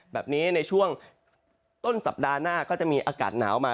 ในช่วงต้นสัปดาห์หน้าก็จะมีอากาศหนาวมา